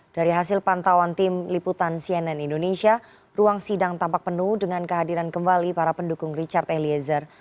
dari hasil pantauan tim liputan cnn indonesia ruang sidang tampak penuh dengan kehadiran kembali para pendukung richard eliezer